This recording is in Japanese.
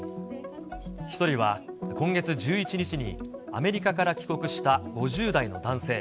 １人は今月１１日にアメリカから帰国した５０代の男性。